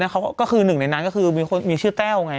เขาก็คือหนึ่งในนั้นก็คือมีชื่อแต้วไง